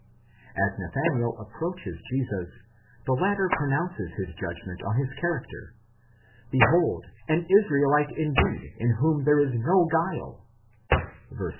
As Nathanael approaches Jesus, the latter pronounces this judgment on his character, Behold an Israelite indeed in whom is no guile(v. 48)!